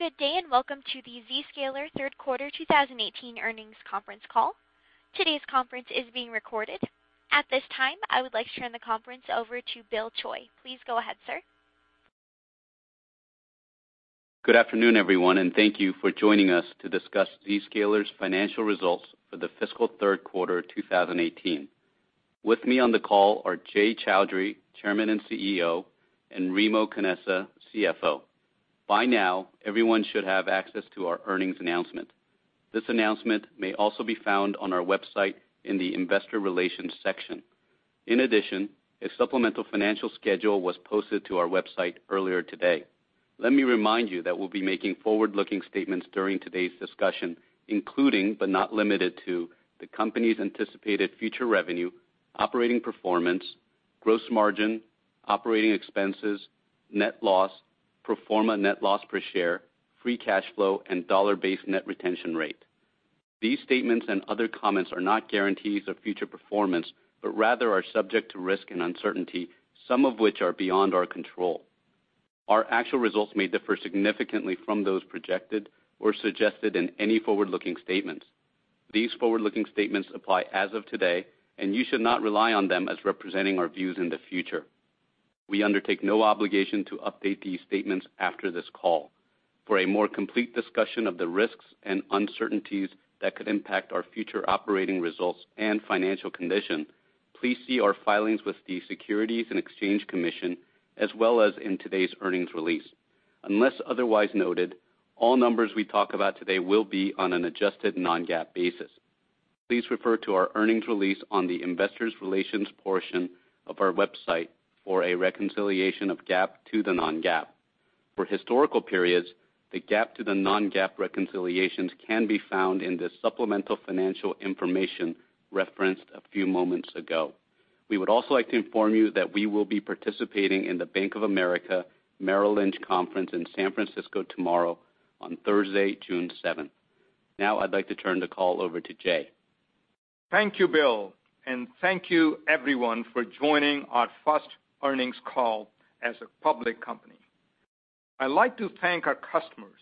Good day. Welcome to the Zscaler third quarter 2018 earnings conference call. Today's conference is being recorded. At this time, I would like to turn the conference over to Bill Choi. Please go ahead, sir. Good afternoon, everyone. Thank you for joining us to discuss Zscaler's financial results for the fiscal third quarter 2018. With me on the call are Jay Chaudhry, Chairman and CEO, and Remo Canessa, CFO. By now, everyone should have access to our earnings announcement. This announcement may also be found on our website in the investor relations section. In addition, a supplemental financial schedule was posted to our website earlier today. Let me remind you that we'll be making forward-looking statements during today's discussion, including, but not limited to, the company's anticipated future revenue, operating performance, gross margin, operating expenses, net loss, pro forma net loss per share, free cash flow, and dollar-based net retention rate. These statements and other comments are not guarantees of future performance, but rather are subject to risk and uncertainty, some of which are beyond our control. Our actual results may differ significantly from those projected or suggested in any forward-looking statements. These forward-looking statements apply as of today. You should not rely on them as representing our views in the future. We undertake no obligation to update these statements after this call. For a more complete discussion of the risks and uncertainties that could impact our future operating results and financial condition, please see our filings with the Securities and Exchange Commission, as well as in today's earnings release. Unless otherwise noted, all numbers we talk about today will be on an adjusted non-GAAP basis. Please refer to our earnings release on the investors' relations portion of our website for a reconciliation of GAAP to the non-GAAP. For historical periods, the GAAP to the non-GAAP reconciliations can be found in the supplemental financial information referenced a few moments ago. We would also like to inform you that we will be participating in the Bank of America Merrill Lynch conference in San Francisco tomorrow on Thursday, June 7th. I'd like to turn the call over to Jay. Thank you, Bill, and thank you everyone for joining our first earnings call as a public company. I'd like to thank our customers,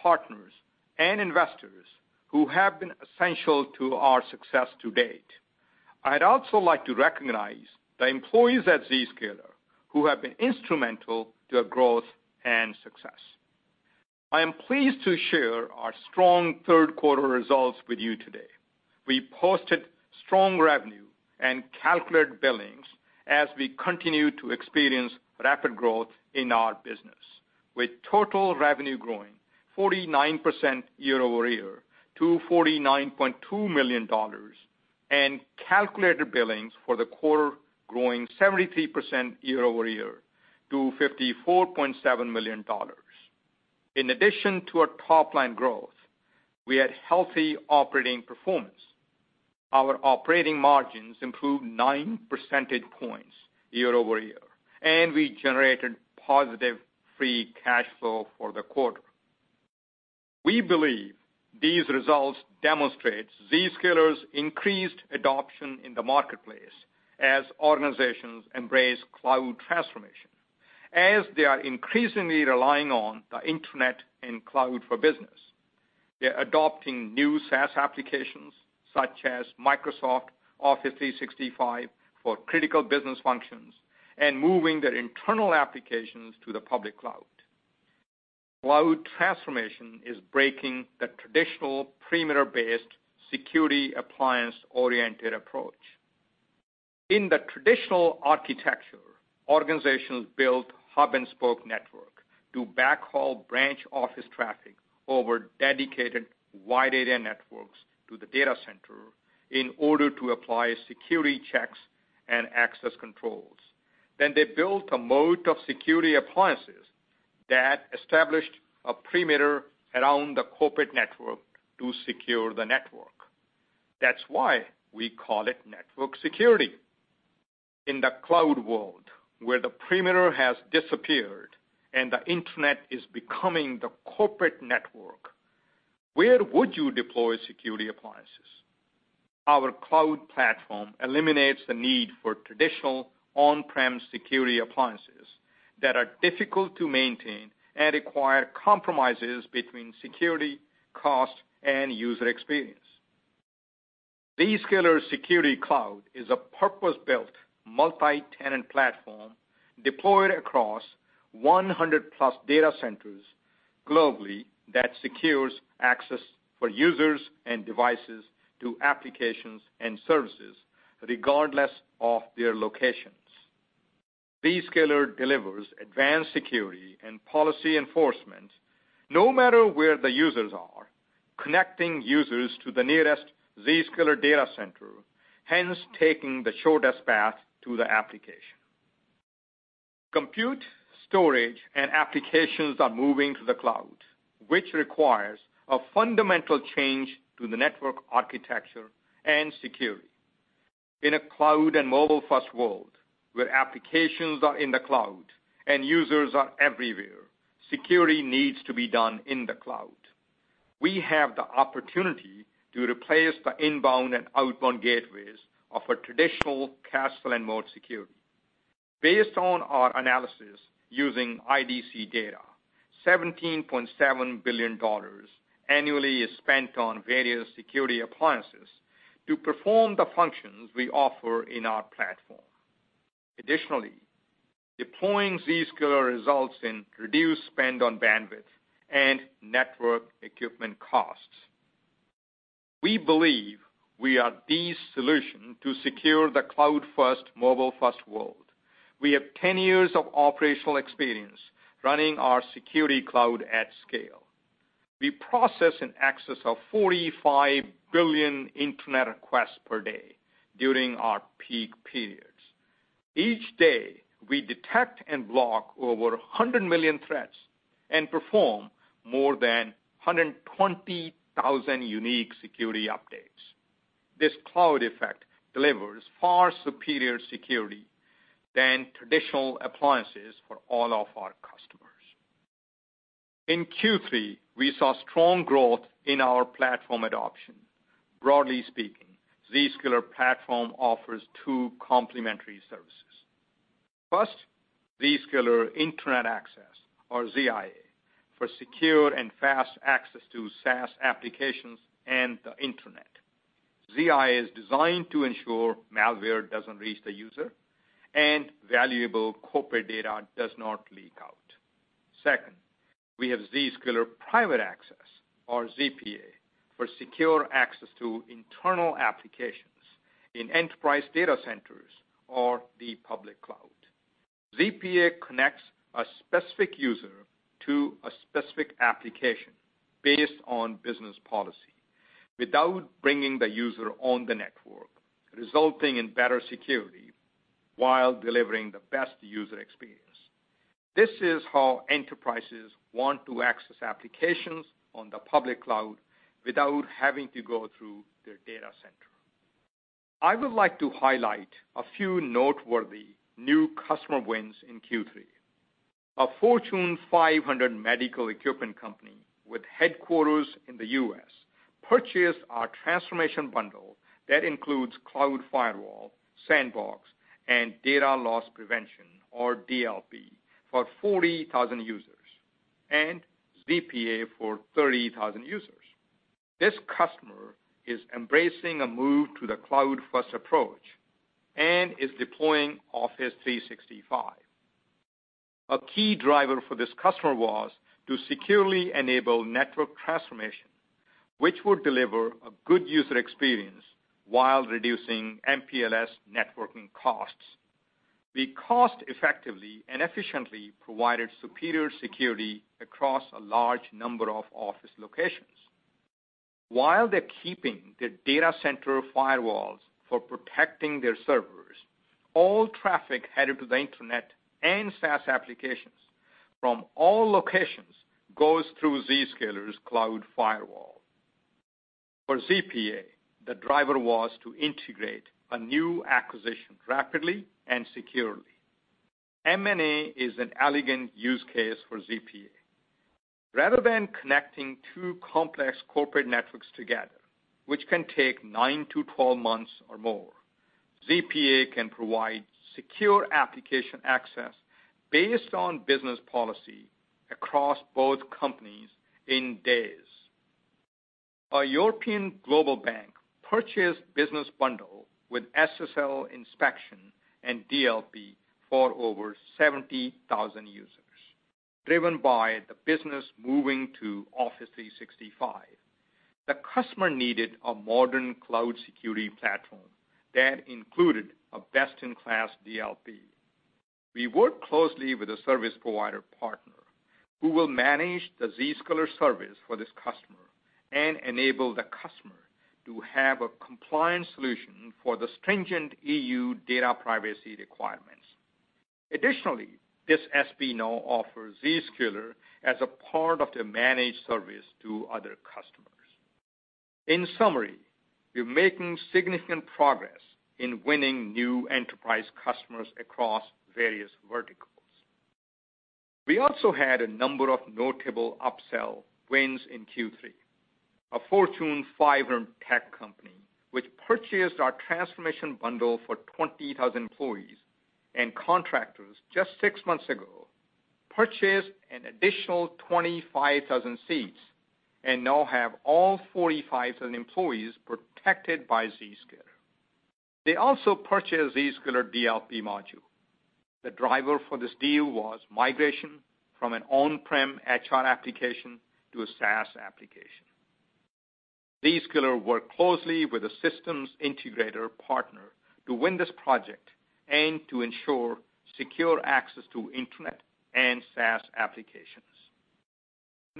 partners, and investors who have been essential to our success to date. I'd also like to recognize the employees at Zscaler who have been instrumental to our growth and success. I am pleased to share our strong third quarter results with you today. We posted strong revenue and calculated billings as we continue to experience rapid growth in our business. With total revenue growing 49% year over year to $49.2 million and calculated billings for the quarter growing 73% year over year to $54.7 million. In addition to our top-line growth, we had healthy operating performance. Our operating margins improved 9 percentage points year over year, and we generated positive free cash flow for the quarter. We believe these results demonstrate Zscaler's increased adoption in the marketplace as organizations embrace cloud transformation, as they are increasingly relying on the internet and cloud for business. They're adopting new SaaS applications such as Microsoft Office 365 for critical business functions and moving their internal applications to the public cloud. Cloud transformation is breaking the traditional perimeter-based security appliance-oriented approach. In the traditional architecture, organizations built hub-and-spoke network to backhaul branch office traffic over dedicated wide area networks to the data center in order to apply security checks and access controls. They built a moat of security appliances that established a perimeter around the corporate network to secure the network. That's why we call it network security. In the cloud world, where the perimeter has disappeared and the internet is becoming the corporate network, where would you deploy security appliances? Our cloud platform eliminates the need for traditional on-prem security appliances that are difficult to maintain and require compromises between security, cost, and user experience. Zscaler Security Cloud is a purpose-built multi-tenant platform deployed across 100 plus data centers globally that secures access for users and devices to applications and services regardless of their locations. Zscaler delivers advanced security and policy enforcement no matter where the users are, connecting users to the nearest Zscaler data center, hence taking the shortest path to the application. Compute, storage, and applications are moving to the cloud, which requires a fundamental change to the network architecture and security. In a cloud and mobile-first world where applications are in the cloud and users are everywhere, security needs to be done in the cloud. We have the opportunity to replace the inbound and outbound gateways of a traditional castle and moat security. Based on our analysis using IDC data, $17.7 billion annually is spent on various security appliances to perform the functions we offer in our platform. Additionally, deploying Zscaler results in reduced spend on bandwidth and network equipment costs. We believe we are the solution to secure the cloud-first, mobile-first world. We have 10 years of operational experience running our security cloud at scale. We process in excess of 45 billion internet requests per day during our peak periods. Each day, we detect and block over 100 million threats and perform more than 120,000 unique security updates. This cloud effect delivers far superior security than traditional appliances for all of our customers. In Q3, we saw strong growth in our platform adoption. Broadly speaking, Zscaler platform offers two complementary services. First, Zscaler Internet Access, or ZIA, for secure and fast access to SaaS applications and the internet. ZIA is designed to ensure malware doesn't reach the user and valuable corporate data does not leak out. Second, we have Zscaler Private Access, or ZPA, for secure access to internal applications in enterprise data centers or the public cloud. ZPA connects a specific user to a specific application based on business policy without bringing the user on the network, resulting in better security while delivering the best user experience. This is how enterprises want to access applications on the public cloud without having to go through their data center. I would like to highlight a few noteworthy new customer wins in Q3. A Fortune 500 medical equipment company with headquarters in the U.S. purchased our transformation bundle that includes Cloud Firewall, Sandbox, and data loss prevention, or DLP, for 40,000 users, and ZPA for 30,000 users. This customer is embracing a move to the cloud-first approach and is deploying Office 365. A key driver for this customer was to securely enable network transformation, which would deliver a good user experience while reducing MPLS networking costs. We cost effectively and efficiently provided superior security across a large number of office locations. While they're keeping their data center firewalls for protecting their servers, all traffic headed to the internet and SaaS applications from all locations goes through Zscaler's Cloud Firewall. For ZPA, the driver was to integrate a new acquisition rapidly and securely. M&A is an elegant use case for ZPA. Rather than connecting two complex corporate networks together, which can take 9 to 12 months or more, ZPA can provide secure application access based on business policy across both companies in days. A European global bank purchased business bundle with SSL inspection and DLP for over 70,000 users. Driven by the business moving to Office 365, the customer needed a modern cloud security platform that included a best-in-class DLP. We work closely with a service provider partner who will manage the Zscaler service for this customer and enable the customer to have a compliant solution for the stringent EU data privacy requirements. Additionally, this SP now offers Zscaler as a part of their managed service to other customers. In summary, we're making significant progress in winning new enterprise customers across various verticals. We also had a number of notable upsell wins in Q3. A Fortune 500 tech company, which purchased our transformation bundle for 20,000 employees and contractors just six months ago, purchased an additional 25,000 seats and now have all 45,000 employees protected by Zscaler. They also purchased Zscaler DLP module. The driver for this deal was migration from an on-prem HR application to a SaaS application. Zscaler worked closely with a systems integrator partner to win this project and to ensure secure access to internet and SaaS applications.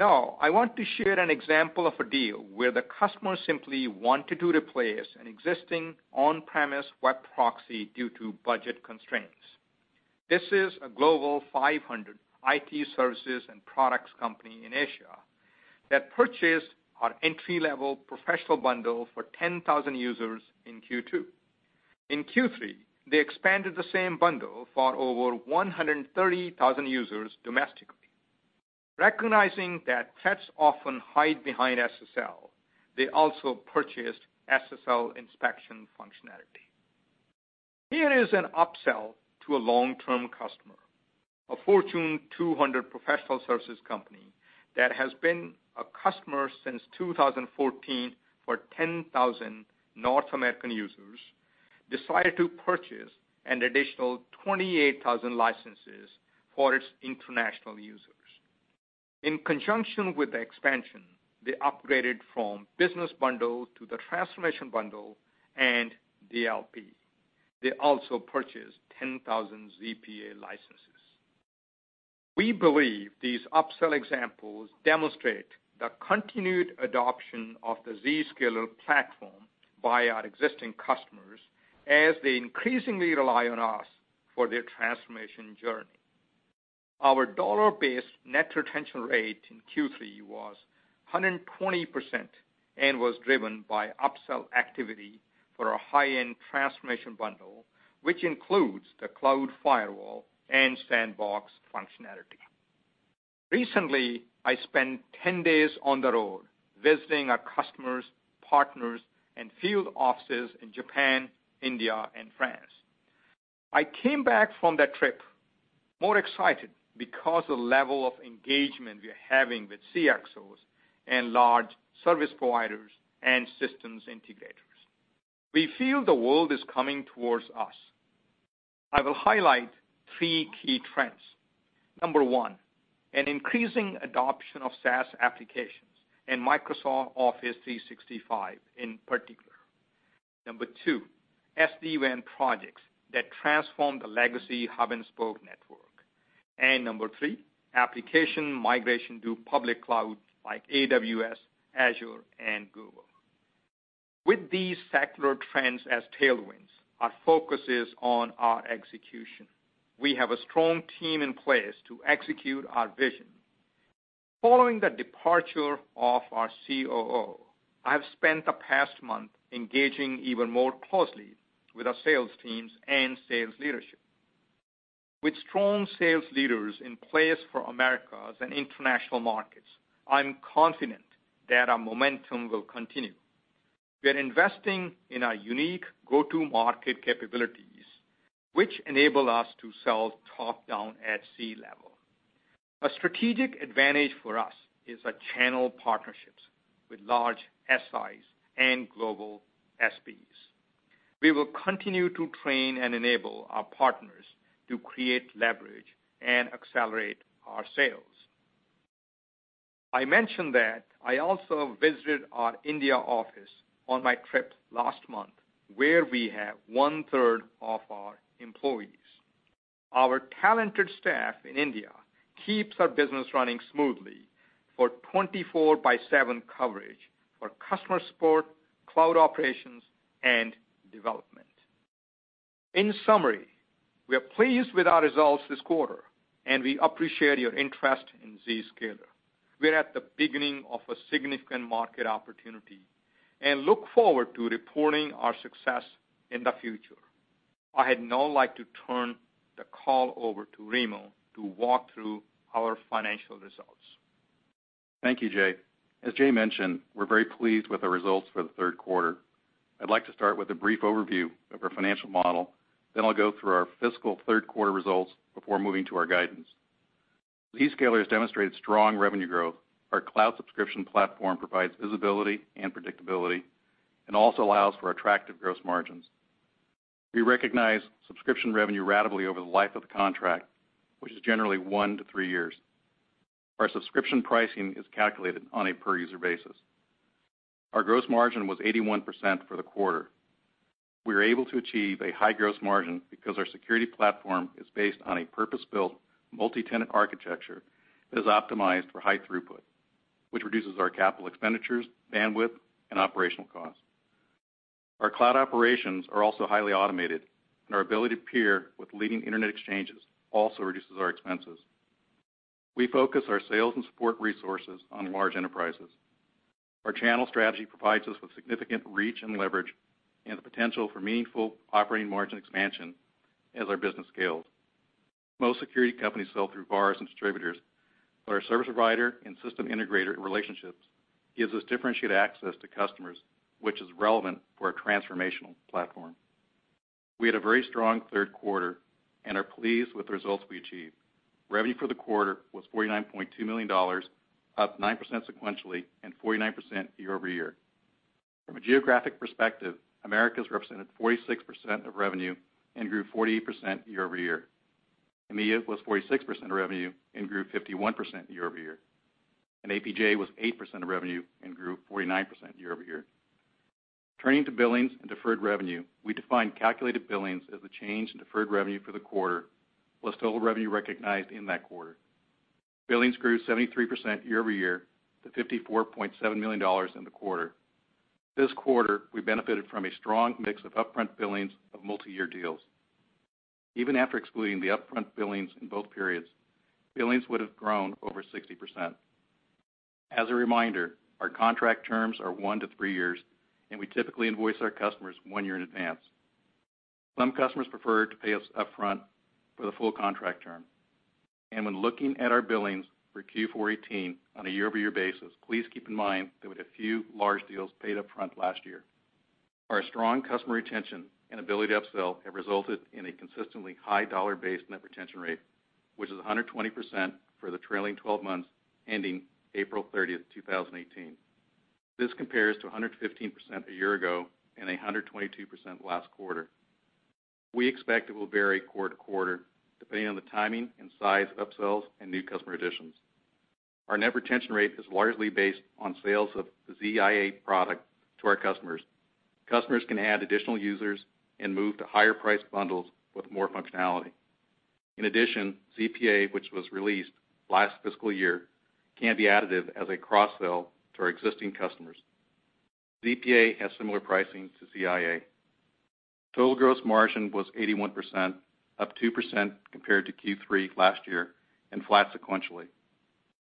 I want to share an example of a deal where the customer simply wanted to replace an existing on-premise web proxy due to budget constraints. This is a Global 500 IT services and products company in Asia that purchased our entry-level professional bundle for 10,000 users in Q2. In Q3, they expanded the same bundle for over 130,000 users domestically. Recognizing that threats often hide behind SSL, they also purchased SSL inspection functionality. Here is an upsell to a long-term customer, a Fortune 200 professional services company that has been a customer since 2014 for 10,000 North American users, decided to purchase an additional 28,000 licenses for its international users. In conjunction with the expansion, they upgraded from business bundle to the transformation bundle and DLP. They also purchased 10,000 ZPA licenses. We believe these upsell examples demonstrate the continued adoption of the Zscaler platform by our existing customers as they increasingly rely on us for their transformation journey. Our dollar-based net retention rate in Q3 was 120% and was driven by upsell activity for our high-end transformation bundle, which includes the Cloud Firewall and sandbox functionality. Recently, I spent 10 days on the road visiting our customers, partners, and field offices in Japan, India, and France. I came back from that trip more excited because of the level of engagement we are having with CXOs and large service providers and systems integrators. We feel the world is coming towards us. I will highlight three key trends. Number one, an increasing adoption of SaaS applications and Microsoft Office 365 in particular. Number two, SD-WAN projects that transform the legacy hub-and-spoke network. Number three, application migration to public cloud like AWS, Azure, and Google. With these secular trends as tailwinds, our focus is on our execution. We have a strong team in place to execute our vision. Following the departure of our COO, I have spent the past month engaging even more closely with our sales teams and sales leadership. With strong sales leaders in place for Americas and international markets, I'm confident that our momentum will continue. We are investing in our unique go-to-market capabilities, which enable us to sell top-down at C-level. A strategic advantage for us is our channel partnerships with large SIs and global SPs. We will continue to train and enable our partners to create leverage and accelerate our sales. I mentioned that I also visited our India office on my trip last month, where we have one-third of our employees. Our talented staff in India keeps our business running smoothly for 24 by seven coverage for customer support, cloud operations, and development. In summary, we are pleased with our results this quarter, and we appreciate your interest in Zscaler. We are at the beginning of a significant market opportunity and look forward to reporting our success in the future. I'd now like to turn the call over to Remo to walk through our financial results. Thank you, Jay. As Jay mentioned, we're very pleased with the results for the third quarter. I'd like to start with a brief overview of our financial model, then I'll go through our fiscal third-quarter results before moving to our guidance. Zscaler has demonstrated strong revenue growth. Our cloud subscription platform provides visibility and predictability and also allows for attractive gross margins. We recognize subscription revenue ratably over the life of the contract, which is generally one to three years. Our subscription pricing is calculated on a per-user basis. Our gross margin was 81% for the quarter. We were able to achieve a high gross margin because our security platform is based on a purpose-built multi-tenant architecture that is optimized for high throughput, which reduces our capital expenditures, bandwidth, and operational costs. Our cloud operations are also highly automated, and our ability to peer with leading internet exchanges also reduces our expenses. We focus our sales and support resources on large enterprises. Our channel strategy provides us with significant reach and leverage and the potential for meaningful operating margin expansion as our business scales. Most security companies sell through VARs and distributors, but our service provider and system integrator relationships gives us differentiated access to customers, which is relevant for a transformational platform. We had a very strong third quarter and are pleased with the results we achieved. Revenue for the quarter was $49.2 million, up 9% sequentially and 49% year-over-year. From a geographic perspective, Americas represented 46% of revenue and grew 48% year-over-year. EMEA was 46% of revenue and grew 51% year-over-year. APJ was 8% of revenue and grew 49% year-over-year. Turning to billings and deferred revenue, we define calculated billings as the change in deferred revenue for the quarter, plus total revenue recognized in that quarter. Billings grew 73% year-over-year to $54.7 million in the quarter. This quarter, we benefited from a strong mix of upfront billings of multiyear deals. Even after excluding the upfront billings in both periods, billings would have grown over 60%. As a reminder, our contract terms are one to three years, and we typically invoice our customers one year in advance. Some customers prefer to pay us upfront for the full contract term. When looking at our billings for Q4 2018 on a year-over-year basis, please keep in mind that we had a few large deals paid upfront last year. Our strong customer retention and ability to upsell have resulted in a consistently high dollar-based net retention rate, which is 120% for the trailing 12 months ending April 30th, 2018. This compares to 115% a year ago and 122% last quarter. We expect it will vary quarter-to-quarter, depending on the timing and size of upsells and new customer additions. Our net retention rate is largely based on sales of the ZIA product to our customers. Customers can add additional users and move to higher-priced bundles with more functionality. In addition, ZPA, which was released last fiscal year, can be additive as a cross-sell to our existing customers. ZPA has similar pricing to ZIA. Total gross margin was 81%, up 2% compared to Q3 last year and flat sequentially.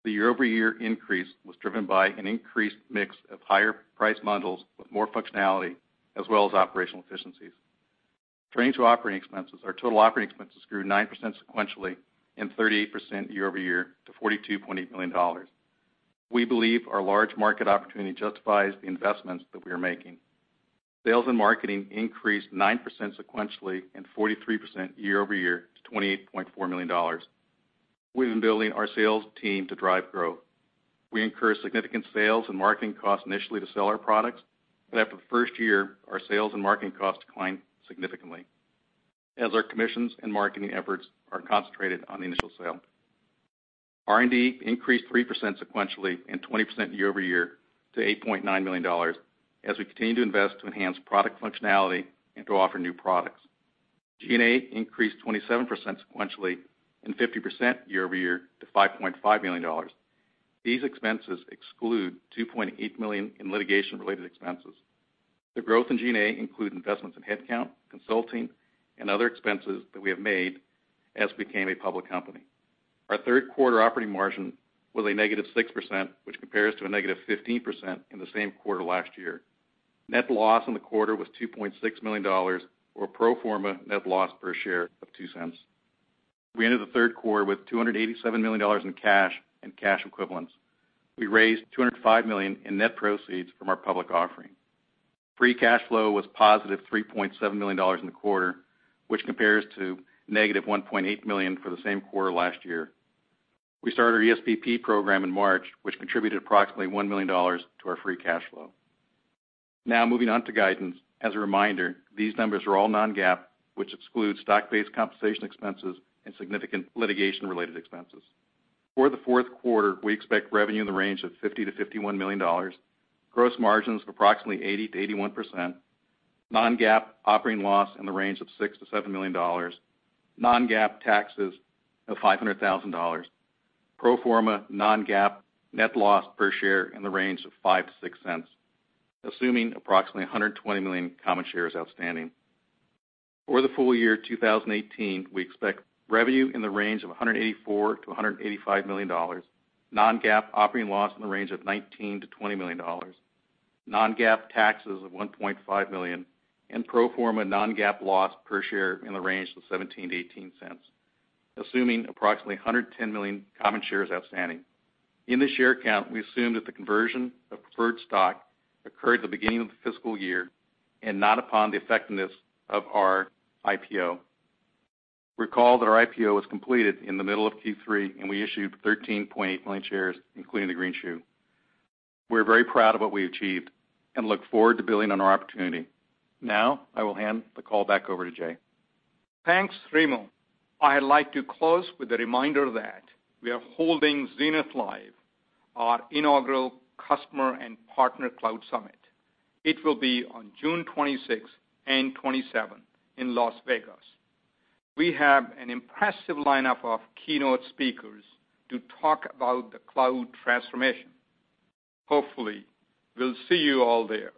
The year-over-year increase was driven by an increased mix of higher-priced bundles with more functionality as well as operational efficiencies. Turning to operating expenses, our total operating expenses grew 9% sequentially and 38% year-over-year to $42.8 million. We believe our large market opportunity justifies the investments that we are making. Sales and marketing increased 9% sequentially and 43% year-over-year to $28.4 million. We've been building our sales team to drive growth. We incur significant sales and marketing costs initially to sell our products, but after the first year, our sales and marketing costs decline significantly, as our commissions and marketing efforts are concentrated on the initial sale. R&D increased 3% sequentially and 20% year-over-year to $8.9 million, as we continue to invest to enhance product functionality and to offer new products. G&A increased 27% sequentially and 50% year-over-year to $5.5 million. These expenses exclude $2.8 million in litigation-related expenses. The growth in G&A includes investments in headcount, consulting, and other expenses that we have made as we became a public company. Our third quarter operating margin was -6%, which compares to -15% in the same quarter last year. Net loss in the quarter was $2.6 million, or pro forma net loss per share of $0.02. We ended the third quarter with $287 million in cash and cash equivalents. We raised $205 million in net proceeds from our public offering. Free cash flow was positive $3.7 million in the quarter, which compares to -$1.8 million for the same quarter last year. We started our ESPP program in March, which contributed approximately $1 million to our free cash flow. Moving on to guidance. As a reminder, these numbers are all non-GAAP, which excludes stock-based compensation expenses and significant litigation-related expenses. For the fourth quarter, we expect revenue in the range of $50 million-$51 million, gross margins of approximately 80%-81%, non-GAAP operating loss in the range of $6 million-$7 million, non-GAAP taxes of $500,000, pro forma non-GAAP net loss per share in the range of $0.05-$0.06, assuming approximately 120 million common shares outstanding. For the full year 2018, we expect revenue in the range of $184 million-$185 million, non-GAAP operating loss in the range of $19 million-$20 million, non-GAAP taxes of $1.5 million, and pro forma non-GAAP loss per share in the range of $0.17-$0.18, assuming approximately 110 million common shares outstanding. In the share count, we assume that the conversion of preferred stock occurred at the beginning of the fiscal year and not upon the effectiveness of our IPO. Recall that our IPO was completed in the middle of Q3, and we issued 13.8 million shares, including the greenshoe. We are very proud of what we achieved and look forward to building on our opportunity. I will hand the call back over to Jay. Thanks, Remo. I would like to close with a reminder that we are holding Zenith Live, our inaugural customer and partner cloud summit. It will be on June 26 and 27 in Las Vegas. We have an impressive lineup of keynote speakers to talk about the cloud transformation. Hopefully, we will see you all there.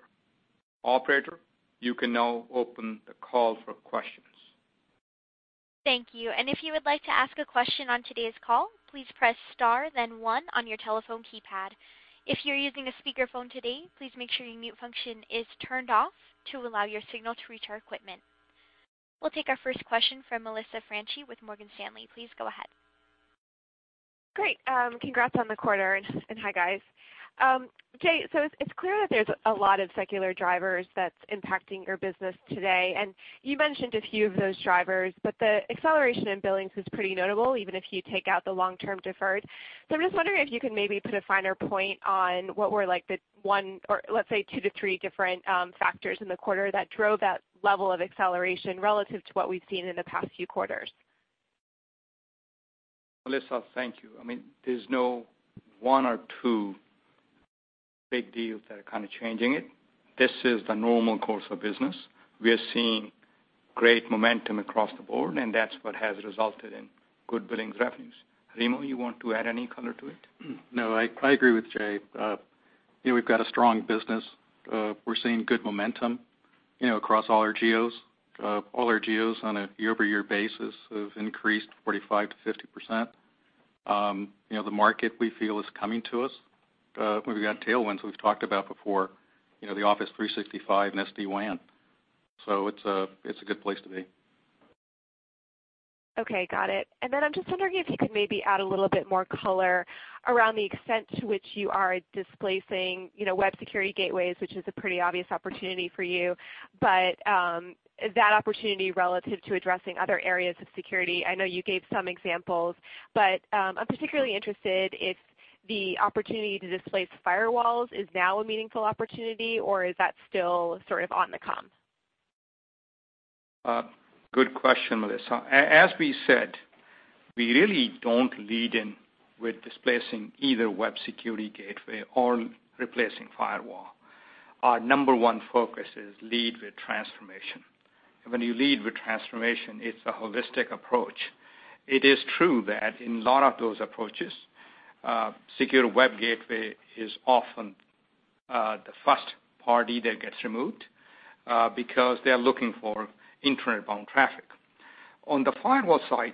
Operator, you can now open the call for questions. Thank you. If you would like to ask a question on today's call, please press star then one on your telephone keypad. If you're using a speakerphone today, please make sure your mute function is turned off to allow your signal to reach our equipment. We'll take our first question from Melissa Franchi with Morgan Stanley. Please go ahead. Great. Congrats on the quarter, hi, guys. Jay, it's clear that there's a lot of secular drivers that's impacting your business today, you mentioned a few of those drivers, the acceleration in billings was pretty notable, even if you take out the long-term deferred. I'm just wondering if you can maybe put a finer point on what were the one or, let's say, 2 to 3 different factors in the quarter that drove that level of acceleration relative to what we've seen in the past few quarters. Melissa, thank you. There's no one or two big deals that are changing it. This is the normal course of business. We are seeing great momentum across the board, that's what has resulted in good billings revenues. Remo, you want to add any color to it? No, I agree with Jay. We've got a strong business. We're seeing good momentum across all our geos. All our geos on a year-over-year basis have increased 45%-50%. The market, we feel, is coming to us. We've got tailwinds we've talked about before, the Office 365 and SD-WAN. It's a good place to be. Okay, got it. I'm just wondering if you could maybe add a little bit more color around the extent to which you are displacing web security gateways, which is a pretty obvious opportunity for you, but that opportunity relative to addressing other areas of security. I know you gave some examples, but I'm particularly interested if the opportunity to displace firewalls is now a meaningful opportunity, or is that still sort of on the come? Good question, Melissa. As we said, we really don't lead in with displacing either web security gateway or replacing firewall. Our number one focus is lead with transformation. When you lead with transformation, it's a holistic approach. It is true that in lot of those approaches, secure web gateway is often the first party that gets removed because they're looking for internet-bound traffic. On the firewall side,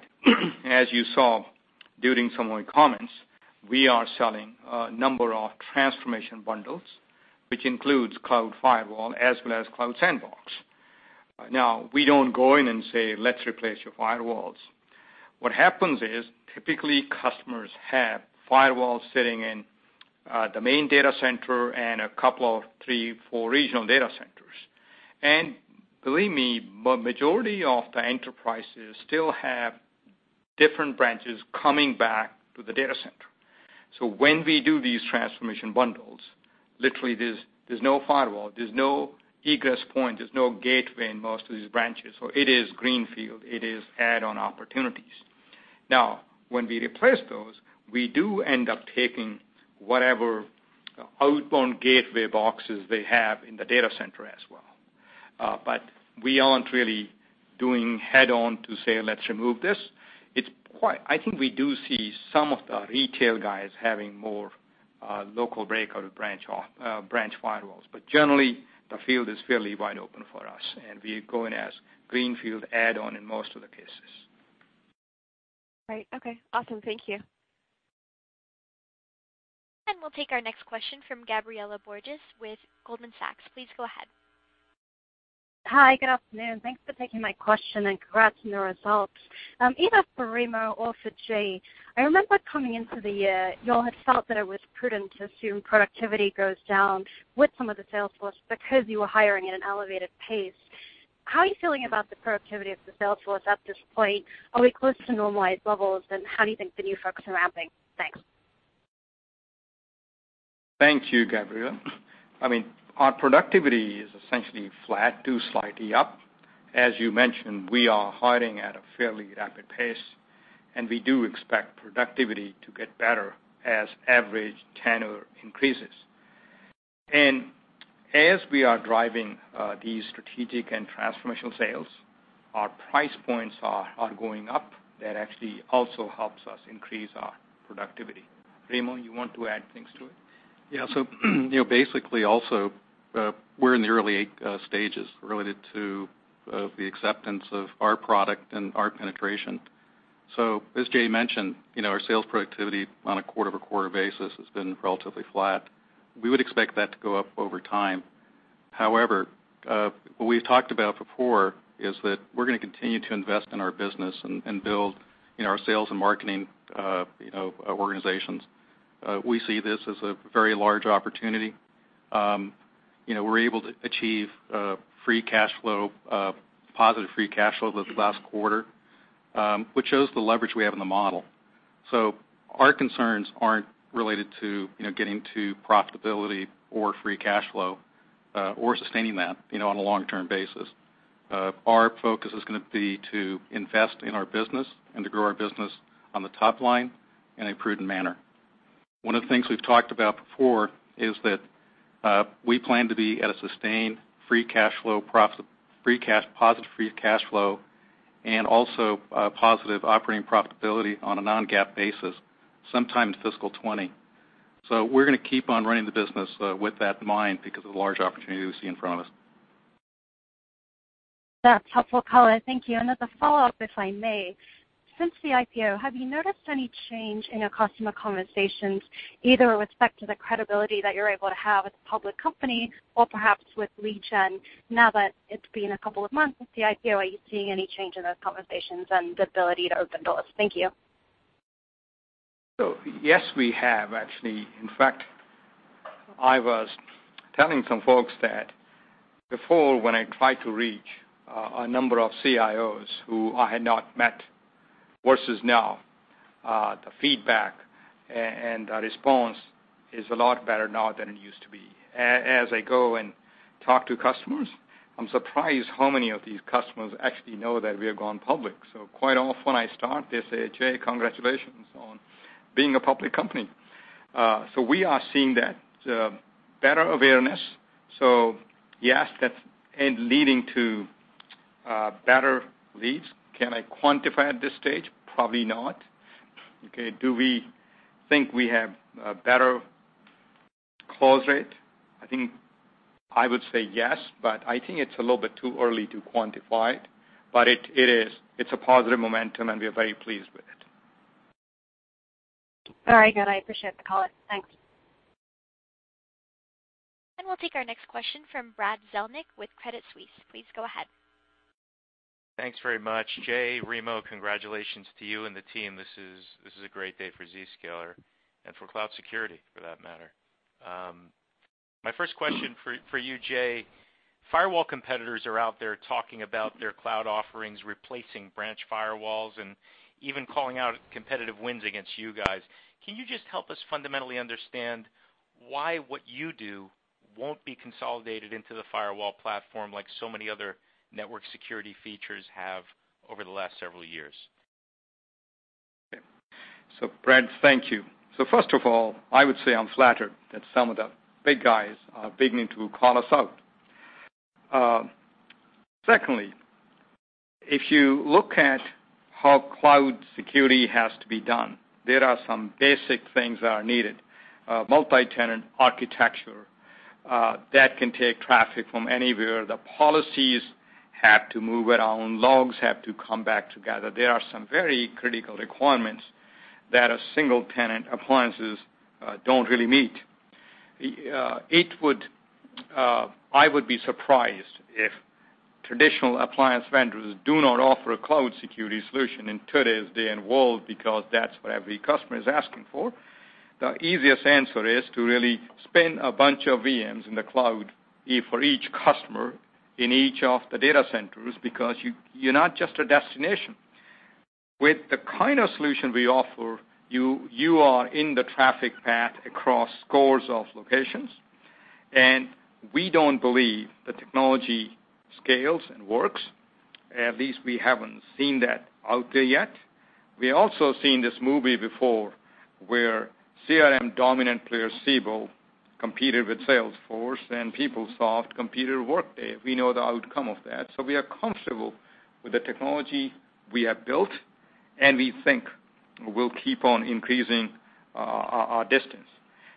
as you saw during some of my comments, we are selling a number of transformation bundles, which includes Cloud Firewall as well as Cloud Sandbox. Now, we don't go in and say, "Let's replace your firewalls." What happens is, typically customers have firewalls sitting in the main data center and a couple of three, four regional data centers. Believe me, majority of the enterprises still have different branches coming back to the data center. When we do these transformation bundles, literally there's no firewall, there's no egress point, there's no gateway in most of these branches. It is greenfield, it is add-on opportunities. Now, when we replace those, we do end up taking whatever outbound gateway boxes they have in the data center as well. We aren't really doing head-on to say, "Let's remove this." I think we do see some of the retail guys having more local breakout branch firewalls. Generally, the field is fairly wide open for us, and we go in as greenfield add-on in most of the cases. Right. Okay. Awesome. Thank you. We'll take our next question from Gabriela Borges with Goldman Sachs. Please go ahead. Hi, good afternoon. Thanks for taking my question, and congrats on your results. Either for Remo or for Jay, I remember coming into the year, you all had felt that it was prudent to assume productivity goes down with some of the sales force because you were hiring at a fairly elevated pace. How are you feeling about the productivity of the sales force at this point? Are we close to normalized levels, and how do you think the new folks are ramping? Thanks. Thank you, Gabriela. Our productivity is essentially flat to slightly up. As you mentioned, we are hiring at a fairly rapid pace, and we do expect productivity to get better as average tenure increases. As we are driving these strategic and transformational sales, our price points are going up. That actually also helps us increase our productivity. Remo, you want to add things to it? Yeah. Basically, also, we're in the early stages related to the acceptance of our product and our penetration. As Jay mentioned, our sales productivity on a quarter-over-quarter basis has been relatively flat. We would expect that to go up over time. However, what we've talked about before is that we're going to continue to invest in our business and build our sales and marketing organizations. We see this as a very large opportunity. We're able to achieve positive free cash flow this last quarter, which shows the leverage we have in the model. Our concerns aren't related to getting to profitability or free cash flow, or sustaining that on a long-term basis. Our focus is going to be to invest in our business and to grow our business on the top line in a prudent manner. One of the things we've talked about before is that we plan to be at a sustained positive free cash flow, and also positive operating profitability on a non-GAAP basis sometime in fiscal 2020. We're going to keep on running the business with that in mind because of the large opportunity we see in front of us. That's helpful color. Thank you. As a follow-up, if I may. Since the IPO, have you noticed any change in your customer conversations, either with respect to the credibility that you're able to have as a public company or perhaps with lead gen now that it's been a couple of months since the IPO? Are you seeing any change in those conversations and the ability to open doors? Thank you. Yes, we have, actually. In fact, I was telling some folks that before, when I tried to reach a number of CIOs who I had not met versus now, the feedback and response is a lot better now than it used to be. As I go and talk to customers, I'm surprised how many of these customers actually know that we have gone public. Quite often I start, they say, "Jay, congratulations on being a public company." We are seeing that better awareness. Yes, that's leading to better leads. Can I quantify at this stage? Probably not. Okay. Do we think we have a better close rate? I think I would say yes, but I think it's a little bit too early to quantify. It's a positive momentum, and we are very pleased with it. All right, good. I appreciate the call. Thanks. We'll take our next question from Brad Zelnick with Credit Suisse. Please go ahead. Thanks very much. Jay, Remo, congratulations to you and the team. This is a great day for Zscaler and for cloud security, for that matter. My first question for you, Jay. Firewall competitors are out there talking about their cloud offerings, replacing branch firewalls, and even calling out competitive wins against you guys. Can you just help us fundamentally understand why what you do won't be consolidated into the firewall platform like so many other network security features have over the last several years? Brad, thank you. First of all, I would say I'm flattered that some of the big guys are beginning to call us out. Secondly, if you look at how cloud security has to be done, there are some basic things that are needed. Multi-tenant architecture that can take traffic from anywhere. The policies have to move around, logs have to come back together. There are some very critical requirements that a single-tenant appliances don't really meet. I would be surprised if traditional appliance vendors do not offer a cloud security solution in today's day and world, because that's what every customer is asking for. The easiest answer is to really spin a bunch of VMs in the cloud for each customer in each of the data centers, because you're not just a destination. With the kind of solution we offer, you are in the traffic path across scores of locations, and we don't believe the technology scales and works. At least we haven't seen that out there yet. We also seen this movie before, where CRM dominant player Siebel competed with Salesforce and PeopleSoft competed with Workday. We know the outcome of that. We are comfortable with the technology we have built, and we think we'll keep on increasing our distance.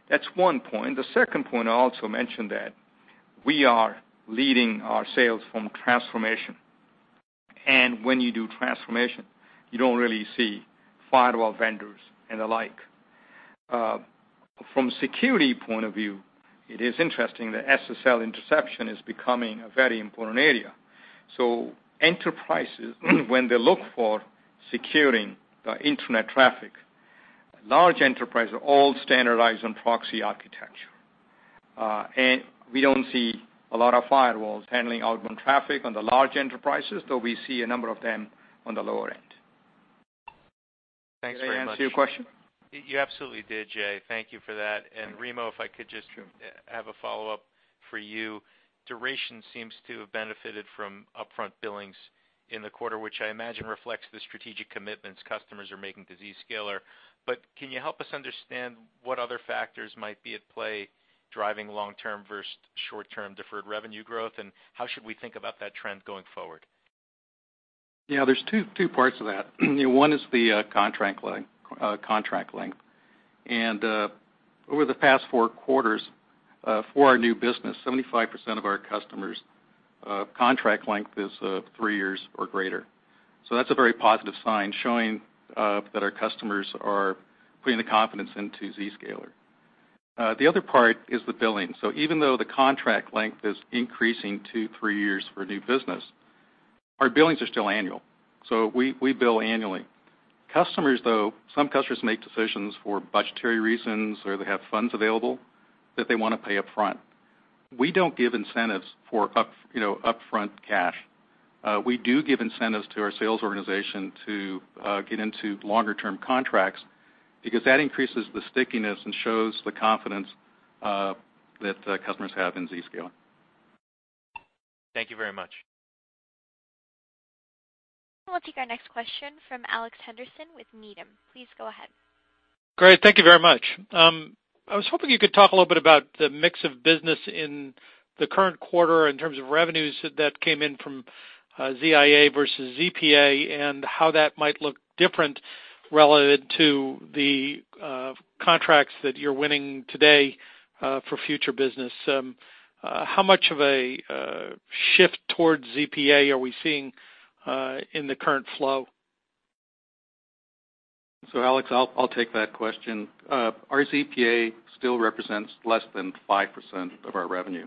That's one point. The second point, I also mentioned that we are leading our sales from transformation. When you do transformation, you don't really see firewall vendors and the like. From security point of view, it is interesting that SSL interception is becoming a very important area. Enterprises, when they look for securing the internet traffic, large enterprise are all standardized on proxy architecture. We don't see a lot of firewalls handling outbound traffic on the large enterprises, though we see a number of them on the lower end. Thanks very much. Did I answer your question? You absolutely did, Jay. Thank you for that. Remo. Sure. I have a follow-up for you. Duration seems to have benefited from upfront billings in the quarter, which I imagine reflects the strategic commitments customers are making to Zscaler. Can you help us understand what other factors might be at play driving long-term versus short-term deferred revenue growth, and how should we think about that trend going forward? Yeah, there's two parts to that. One is the contract length. Over the past four quarters, for our new business, 75% of our customers' contract length is three years or greater. That's a very positive sign, showing that our customers are putting the confidence into Zscaler. The other part is the billing. Even though the contract length is increasing to three years for new business, our billings are still annual. We bill annually. Customers, though, some customers make decisions for budgetary reasons, or they have funds available that they want to pay upfront. We don't give incentives for upfront cash. We do give incentives to our sales organization to get into longer-term contracts because that increases the stickiness and shows the confidence that customers have in Zscaler. Thank you very much. We'll take our next question from Alex Henderson with Needham. Please go ahead. Great. Thank you very much. I was hoping you could talk a little bit about the mix of business in the current quarter in terms of revenues that came in from ZIA versus ZPA, and how that might look different related to the contracts that you're winning today for future business. How much of a shift towards ZPA are we seeing in the current flow? Alex, I'll take that question. Our ZPA still represents less than 5% of our revenue.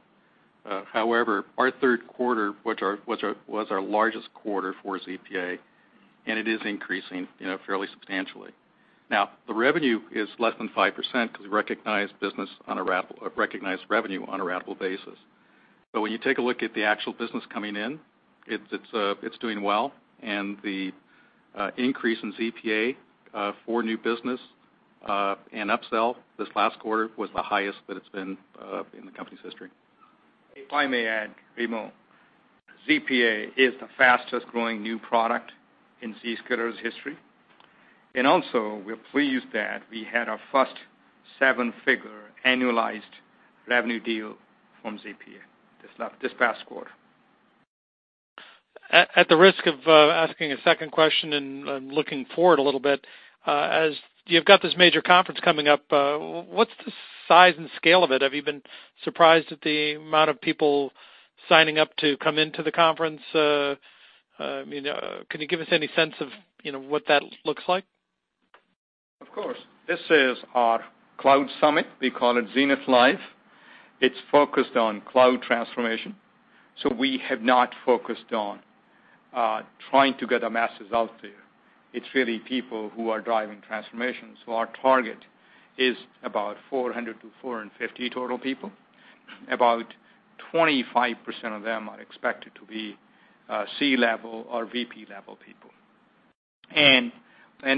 However, our third quarter, which was our largest quarter for ZPA, and it is increasing fairly substantially. The revenue is less than 5% because recognized revenue on a ratable basis. When you take a look at the actual business coming in, it's doing well, and the increase in ZPA for new business and upsell this last quarter was the highest that it's been in the company's history. If I may add, Remo, ZPA is the fastest-growing new product in Zscaler's history. We're pleased that we had our first seven-figure annualized revenue deal from ZPA this past quarter. At the risk of asking a second question and looking forward a little bit, as you've got this major conference coming up, what's the size and scale of it? Have you been surprised at the amount of people signing up to come into the conference? Can you give us any sense of what that looks like? Of course. This is our cloud summit. We call it Zenith Live. It's focused on cloud transformation. We have not focused on trying to get the masses out there. It's really people who are driving transformation. Our target is about 400 to 450 total people. About 25% of them are expected to be C-level or VP-level people.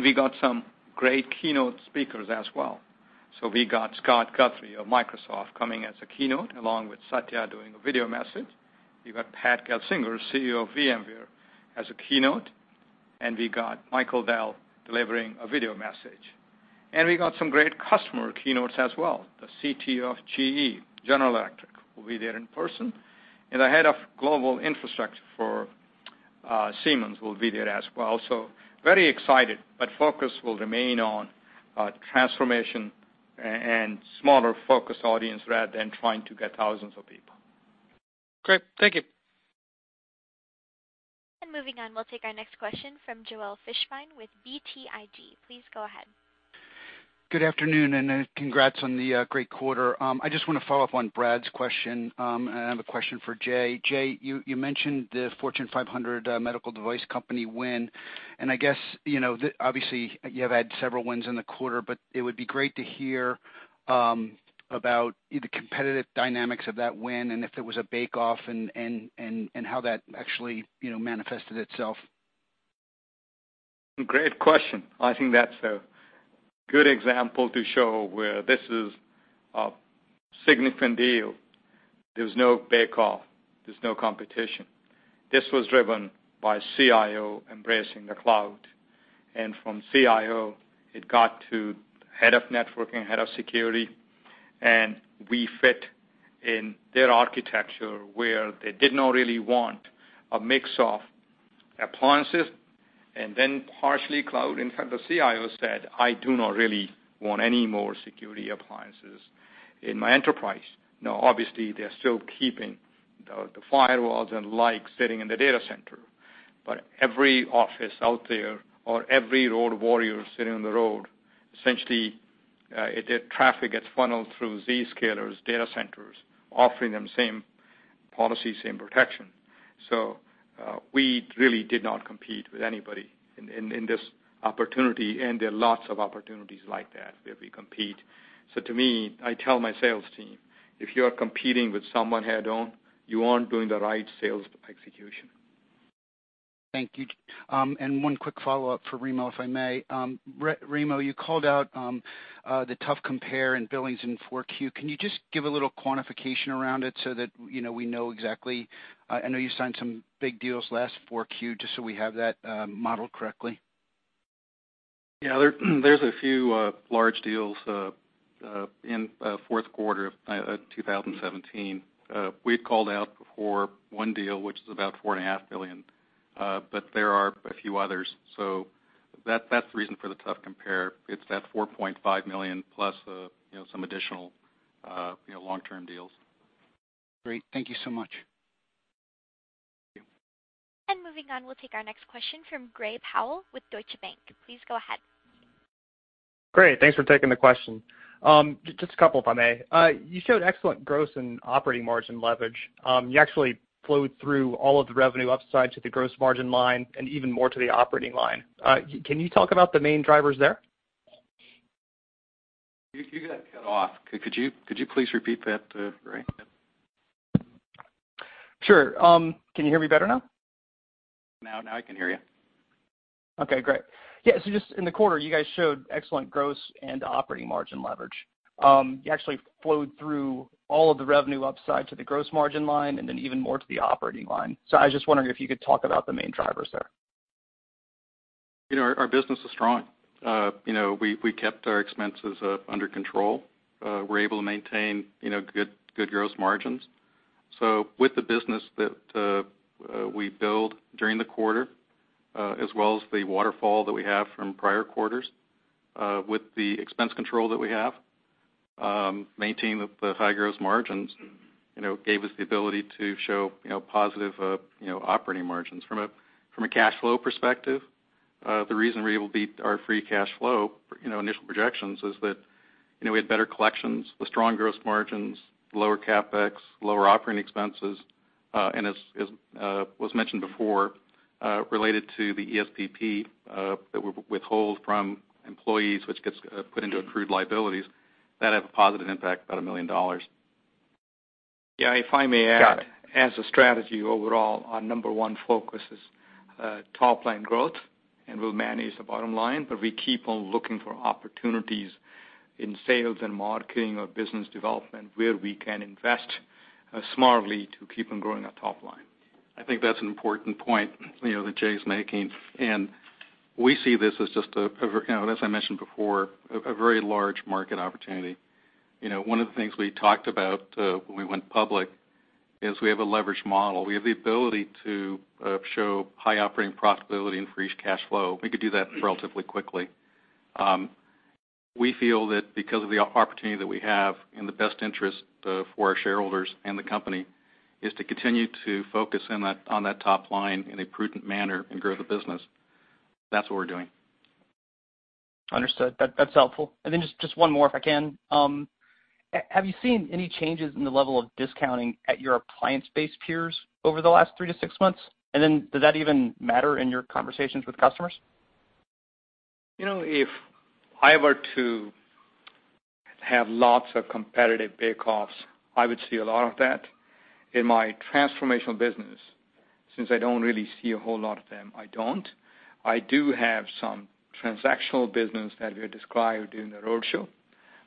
We got some great keynote speakers as well. We got Scott Guthrie of Microsoft coming as a keynote, along with Satya doing a video message. We've got Pat Gelsinger, CEO of VMware, as a keynote, and we got Michael Dell delivering a video message. We got some great customer keynotes as well. The CTO of GE, General Electric, will be there in person, and the head of global infrastructure for Siemens will be there as well. Very excited, but focus will remain on transformation and smaller focused audience rather than trying to get thousands of people. Great. Thank you. Moving on, we'll take our next question from Joel Fishbein with BTIG. Please go ahead. Good afternoon, congrats on the great quarter. I just want to follow up on Brad's question. I have a question for Jay. Jay, you mentioned the Fortune 500 medical device company win, I guess, obviously, you have had several wins in the quarter, but it would be great to hear about the competitive dynamics of that win and if there was a bake-off and how that actually manifested itself. Great question. I think that's a good example to show where this is a significant deal. There was no bake-off. There's no competition. This was driven by CIO embracing the cloud. From CIO, it got to head of networking, head of security, we fit in their architecture where they did not really want a mix of appliances and then partially cloud. In fact, the CIO said, "I do not really want any more security appliances in my enterprise." Now, obviously, they're still keeping the firewalls and like sitting in the data center. Every office out there or every road warrior sitting on the road, essentially, traffic gets funneled through Zscaler's data centers, offering them same policy, same protection. We really did not compete with anybody in this opportunity, and there are lots of opportunities like that where we compete. To me, I tell my sales team, "If you are competing with someone head on, you aren't doing the right sales execution. Thank you. One quick follow-up for Remo, if I may. Remo, you called out the tough compare in billings in 4Q. Can you just give a little quantification around it so that we know exactly? I know you signed some big deals last 4Q, just so we have that modeled correctly. Yeah. There's a few large deals in fourth quarter of 2017. We had called out before one deal, which is about $4.5 million. There are a few others. That's the reason for the tough compare. It's that $4.5 million plus some additional long-term deals. Great. Thank you so much. Thank you. Moving on, we'll take our next question from Gray Powell with Deutsche Bank. Please go ahead. Great. Thanks for taking the question. Just a couple, if I may. You showed excellent gross and operating margin leverage. You actually flowed through all of the revenue upside to the gross margin line and even more to the operating line. Can you talk about the main drivers there? You got cut off. Could you please repeat that, Gray? Sure. Can you hear me better now? Now I can hear you. Okay, great. Yeah, just in the quarter, you guys showed excellent gross and operating margin leverage. You actually flowed through all of the revenue upside to the gross margin line and then even more to the operating line. I was just wondering if you could talk about the main drivers there. Our business is strong. We kept our expenses under control. We're able to maintain good gross margins. With the business that we build during the quarter, as well as the waterfall that we have from prior quarters, with the expense control that we have, maintaining the high gross margins gave us the ability to show positive operating margins. From a cash flow perspective, the reason we're able to beat our free cash flow initial projections is that we had better collections with strong gross margins, lower CapEx, lower operating expenses, and as was mentioned before, related to the ESPP that were withheld from employees, which gets put into accrued liabilities, that have a positive impact, about $1 million. Yeah, if I may add- Got it As a strategy overall, our number 1 focus is top-line growth, and we'll manage the bottom line. We keep on looking for opportunities in sales and marketing or business development where we can invest smartly to keep on growing our top line. I think that's an important point that Jay's making. We see this as just, as I mentioned before, a very large market opportunity. One of the things we talked about when we went public is we have a leverage model. We have the ability to show high operating profitability and free cash flow. We could do that relatively quickly. We feel that because of the opportunity that we have in the best interest for our shareholders and the company, is to continue to focus on that top line in a prudent manner and grow the business. That's what we're doing. Understood. That's helpful. Just one more, if I can. Have you seen any changes in the level of discounting at your appliance-based peers over the last three to six months? Does that even matter in your conversations with customers? If I were to have lots of competitive bake-offs, I would see a lot of that. In my transformational business, since I don't really see a whole lot of them, I don't. I do have some transactional business that we described in the roadshow,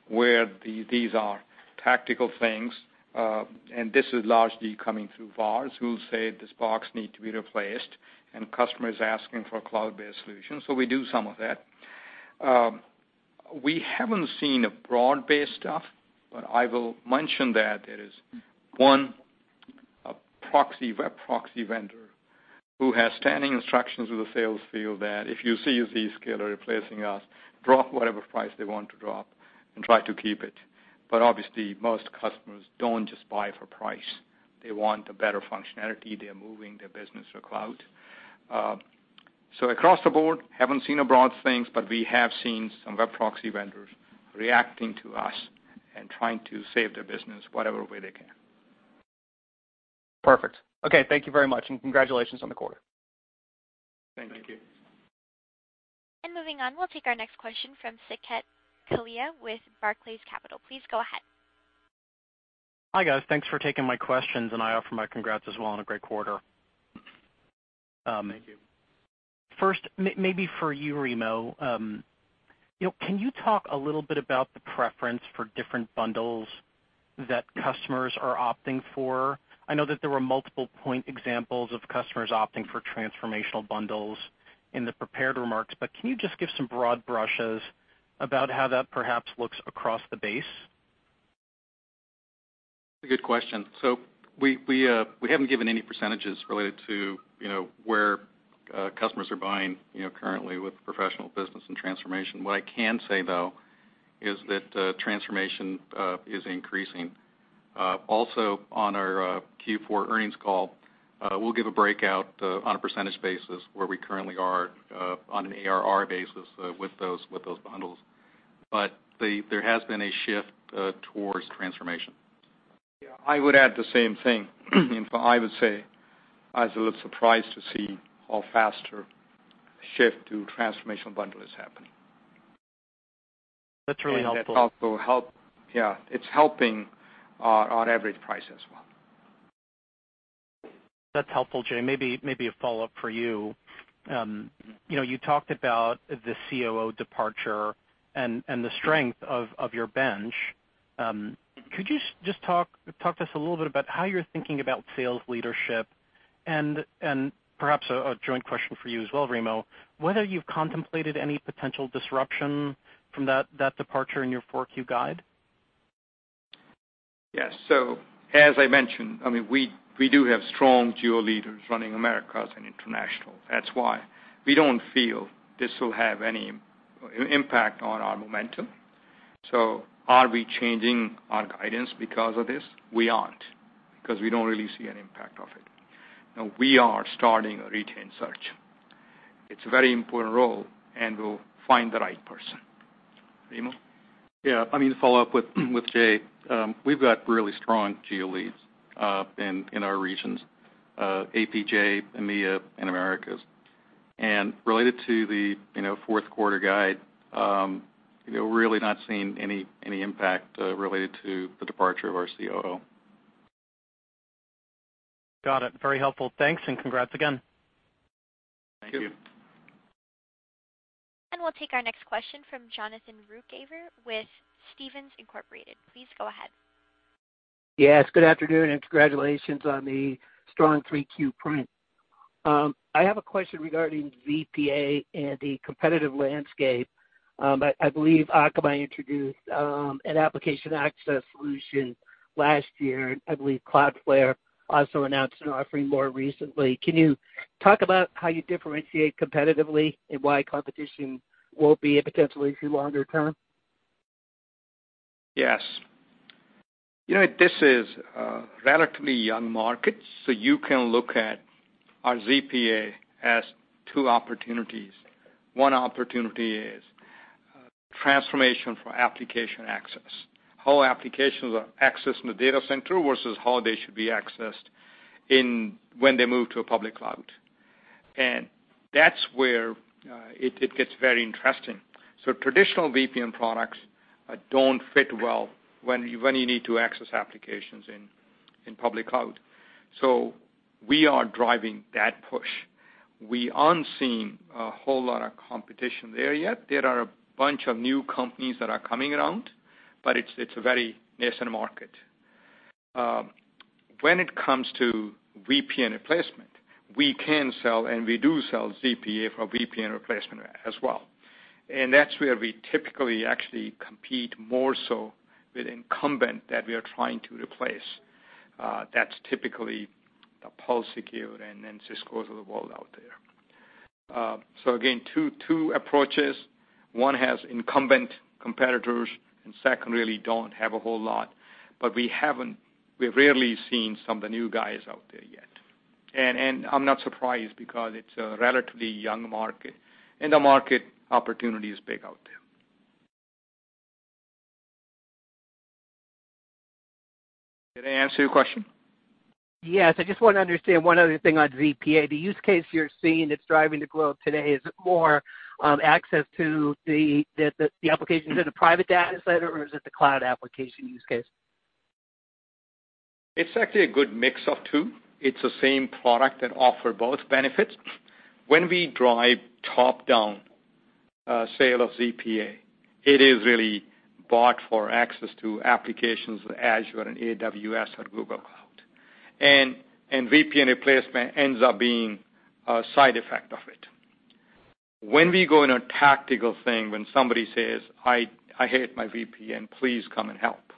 where these are tactical things, and this is largely coming through VARs who say, "This box need to be replaced," and customer is asking for cloud-based solutions. We do some of that. We haven't seen a broad-based stuff, but I will mention that there is one proxy, web proxy vendor, who has standing instructions with the sales field that if you see a Zscaler replacing us, drop whatever price they want to drop and try to keep it. Obviously, most customers don't just buy for price. They want a better functionality. They're moving their business to cloud. Across the board, have not seen a broad things, but we have seen some web proxy vendors reacting to us and trying to save their business whatever way they can. Perfect. Okay. Thank you very much, and congratulations on the quarter. Thank you. Thank you. Moving on, we'll take our next question from Saket Kalia with Barclays Capital. Please go ahead. Hi, guys. Thanks for taking my questions, and I offer my congrats as well on a great quarter. Thank you. First, maybe for you, Remo. Can you talk a little bit about the preference for different bundles that customers are opting for? I know that there were multiple point examples of customers opting for transformational bundles in the prepared remarks, but can you just give some broad brushes about how that perhaps looks across the base? A good question. We haven't given any % related to where customers are buying currently with professional business and transformation. What I can say, though, is that transformation is increasing. On our Q4 earnings call, we'll give a breakout on a % basis where we currently are on an ARR basis with those bundles. There has been a shift towards transformation. I would add the same thing. I would say I was a little surprised to see how faster shift to transformational bundle is happening. That's really helpful. That also, yeah, it's helping our average price as well. That's helpful. Jay, maybe a follow-up for you. You talked about the COO departure and the strength of your bench. Could you just talk to us a little bit about how you're thinking about sales leadership, and perhaps a joint question for you as well, Remo, whether you've contemplated any potential disruption from that departure in your 4Q guide? Yes. As I mentioned, we do have strong geo leaders running Americas and International. That's why we don't feel this will have any impact on our momentum. Are we changing our guidance because of this? We aren't, because we don't really see an impact of it. We are starting a retained search. It's a very important role, and we'll find the right person. Remo? Yeah. To follow up with Jay, we've got really strong geo leads in our regions, APJ, EMEA, and Americas. Related to the fourth quarter guide, really not seeing any impact related to the departure of our COO. Got it. Very helpful. Thanks, and congrats again. Thank you. Thank you. We'll take our next question from Jonathan Ruykhaver with Stephens Inc. Please go ahead. Yes, good afternoon, congratulations on the strong 3Q print. I have a question regarding ZPA and the competitive landscape. I believe Akamai introduced an application access solution last year. I believe Cloudflare also announced an offering more recently. Can you talk about how you differentiate competitively and why competition won't be a potential issue longer term? Yes. This is a relatively young market. You can look at our ZPA as two opportunities. One opportunity is transformation for application access, how applications are accessed in the data center versus how they should be accessed when they move to a public cloud. That's where it gets very interesting. Traditional VPN products don't fit well when you need to access applications in public cloud. We are driving that push. We aren't seeing a whole lot of competition there yet. There are a bunch of new companies that are coming around, but it's a very nascent market. When it comes to VPN replacement, we can sell and we do sell ZPA for VPN replacement as well. That's where we typically actually compete more so with incumbent that we are trying to replace. That's typically the Pulse Secure and Cisco of the world out there. Again, two approaches. One has incumbent competitors, and second, really don't have a whole lot. We've rarely seen some of the new guys out there yet. I'm not surprised because it's a relatively young market, and the market opportunity is big out there. Did I answer your question? Yes. I just want to understand one other thing on ZPA. The use case you're seeing that's driving the growth today, is it more, access to the applications in the private data center, or is it the cloud application use case? It's actually a good mix of two. It's the same product that offer both benefits. When we drive top-down sale of ZPA, it is really bought for access to applications like Azure and AWS or Google Cloud. VPN replacement ends up being a side effect of it. When we go in a tactical thing, when somebody says, "I hate my VPN, please come and help,"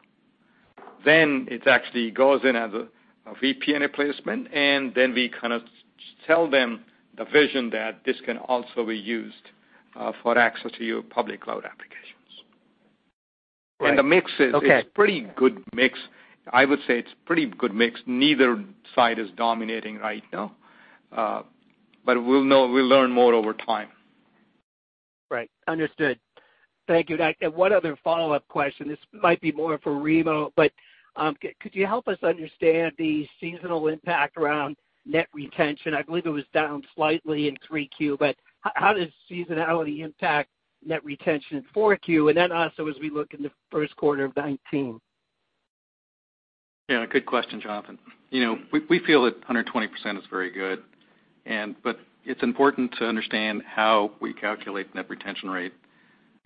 it actually goes in as a VPN replacement, and then we kind of tell them the vision that this can also be used for access to your public cloud applications. Right. Okay. The mix is, it's pretty good mix. I would say it's pretty good mix. Neither side is dominating right now. We'll learn more over time. Right. Understood. Thank you. One other follow-up question, this might be more for Remo. Could you help us understand the seasonal impact around net retention? I believe it was down slightly in Q3. How does seasonality impact net retention in Q4? Also as we look in the first quarter of 2019. Yeah. Good question, Jonathan. We feel that 120% is very good. It's important to understand how we calculate net retention rate.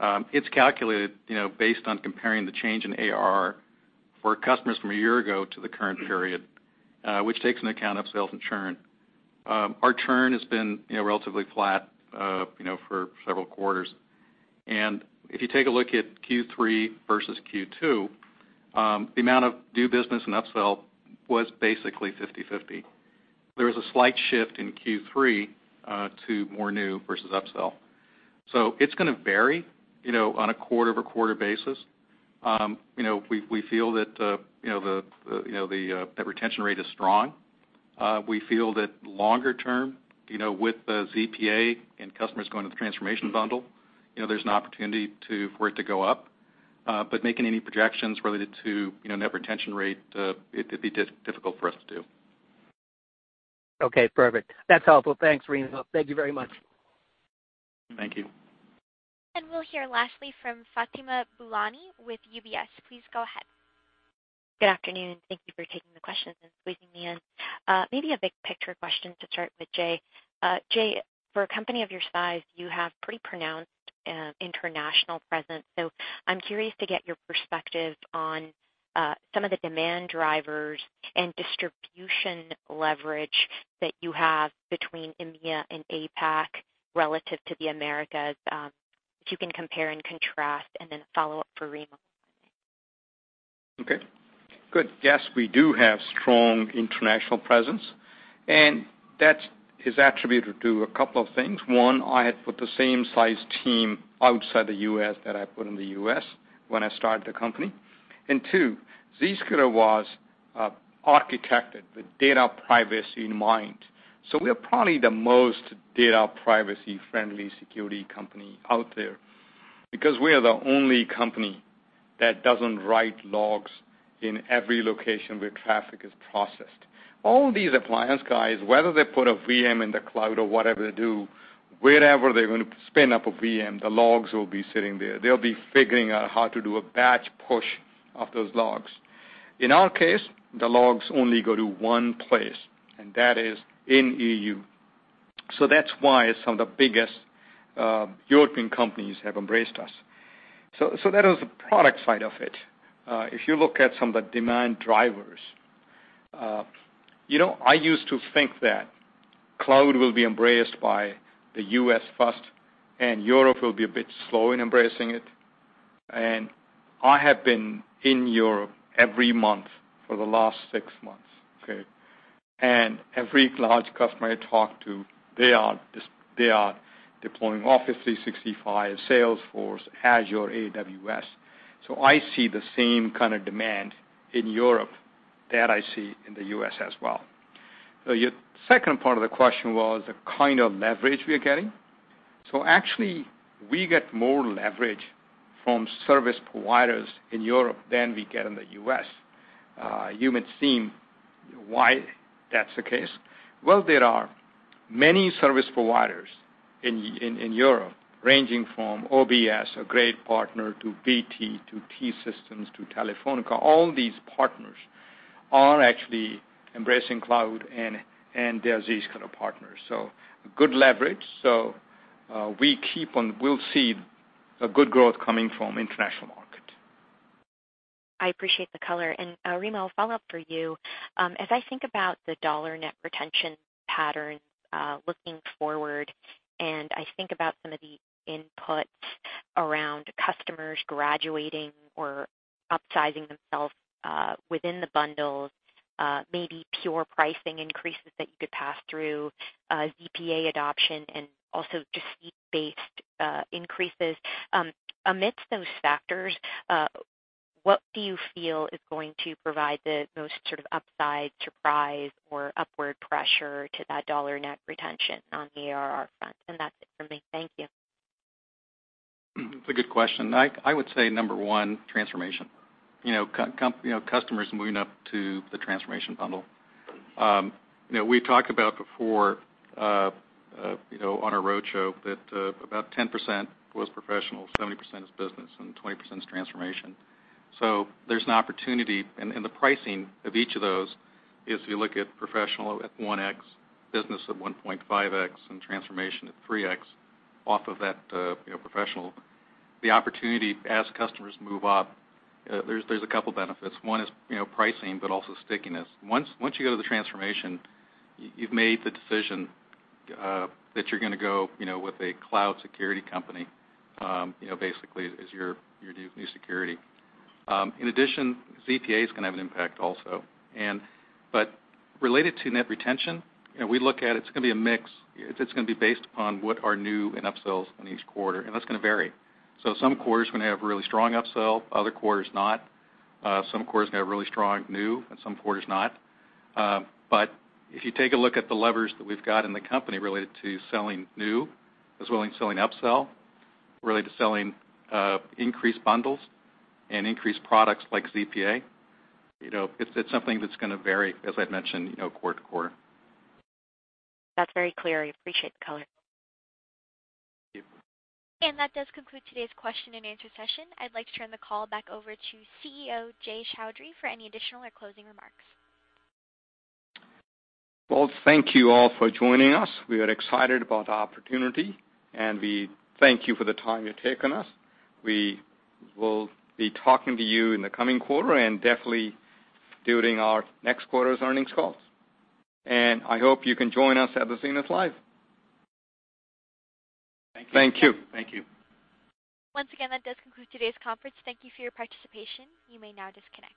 It's calculated based on comparing the change in ARR for customers from a year ago to the current period, which takes into account upsells and churn. Our churn has been relatively flat for several quarters. If you take a look at Q3 versus Q2, the amount of new business and upsell was basically 50/50. There was a slight shift in Q3 to more new versus upsell. It's going to vary on a quarter-over-quarter basis. We feel that the net retention rate is strong. We feel that longer term, with the ZPA and customers going to the transformation bundle, there's an opportunity for it to go up. Making any projections related to net retention rate, it'd be difficult for us to do. Okay, perfect. That's helpful. Thanks, Remo. Thank you very much. Thank you. We'll hear lastly from Fatima Boolani with UBS. Please go ahead. Good afternoon. Thank you for taking the questions and squeezing me in. Maybe a big picture question to start with Jay. Jay, for a company of your size, you have pretty pronounced international presence. I'm curious to get your perspective on some of the demand drivers and distribution leverage that you have between India and APAC relative to the Americas. If you can compare and contrast, and then a follow-up for Remo. Yes, we do have strong international presence, That is attributed to a couple of things. One, I had put the same size team outside the U.S. that I put in the U.S. when I started the company. Two, Zscaler was architected with data privacy in mind. We are probably the most data privacy-friendly security company out there because we are the only company that doesn't write logs in every location where traffic is processed. All these appliance guys, whether they put a VM in the cloud or whatever they do, wherever they're going to spin up a VM, the logs will be sitting there. They'll be figuring out how to do a batch push of those logs. In our case, the logs only go to one place, and that is in EU. That's why some of the biggest European companies have embraced us. That is the product side of it. If you look at some of the demand drivers, I used to think that cloud will be embraced by the U.S. first, Europe will be a bit slow in embracing it. I have been in Europe every month for the last six months. Every large customer I talk to, they are deploying Office 365, Salesforce, Azure, AWS. I see the same kind of demand in Europe that I see in the U.S. as well. Your second part of the question was the kind of leverage we are getting. Actually, we get more leverage from service providers in Europe than we get in the U.S. You might seem why that's the case. There are many service providers in Europe, ranging from Orange Business, a great partner, to BT, to T-Systems, to Telefónica. These partners are actually embracing cloud and there's these kind of partners. Good leverage. We'll see a good growth coming from international market. I appreciate the color. Remo, a follow-up for you. I think about the dollar net retention patterns, looking forward, I think about some of the inputs around customers graduating or upsizing themselves within the bundles, maybe pure pricing increases that you could pass through ZPA adoption and also just seat-based increases. Amidst those factors, what do you feel is going to provide the most sort of upside surprise or upward pressure to that dollar net retention on the ARR front? That's it for me. Thank you. That's a good question. I would say, number one, transformation. Customers moving up to the transformation bundle. We talked about before, on our roadshow, that about 10% was professional, 70% is business, and 20% is transformation. There's an opportunity, and the pricing of each of those is, if you look at professional at 1x, business at 1.5x, and transformation at 3x off of that professional. The opportunity as customers move up, there's a couple benefits. One is pricing, but also stickiness. Once you go to the transformation, you've made the decision that you're going to go with a cloud security company, basically, as your new security. In addition, ZPA is going to have an impact also. Related to net retention, we look at it's going to be a mix. It's going to be based upon what are new and upsells in each quarter, and that's going to vary. Some quarters are going to have really strong upsell, other quarters not. Some quarters are going to have really strong new, and some quarters not. If you take a look at the levers that we've got in the company related to selling new, as well as selling upsell, related to selling increased bundles and increased products like ZPA, it's something that's going to vary, as I'd mentioned, quarter to quarter. That's very clear. I appreciate the color. Thank you. That does conclude today's question and answer session. I'd like to turn the call back over to CEO, Jay Chaudhry, for any additional or closing remarks. Well, thank you all for joining us. We are excited about the opportunity, and we thank you for the time you've taken us. We will be talking to you in the coming quarter and definitely during our next quarter's earnings calls. I hope you can join us at the Zenith Live. Thank you. Thank you. Thank you. Once again, that does conclude today's conference. Thank you for your participation. You may now disconnect.